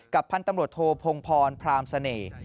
พันธุ์ตำรวจโทพงพรพรามเสน่ห์